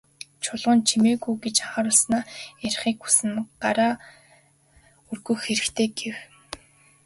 Чулуун «Чимээгүй» гэж анхааруулснаа "Ярихыг хэн хүснэ, гараа өргөх хэрэгтэй" гэв.